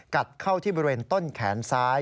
กัดเข้าที่บริเวณต้นแขนซ้าย